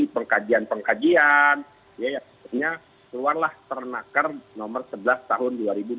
pengkajian pengkajian ya sepertinya keluarlah ternaker nomor sebelas tahun dua ribu dua puluh dua